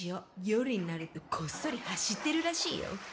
夜になるとこっそり走ってるらしいよ。